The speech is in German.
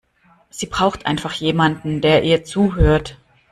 Sie braucht einfach jemanden, der ihr zuhört.